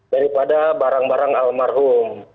daripada barang barang almarhum